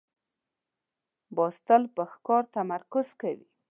باز تل پر ښکار تمرکز کوي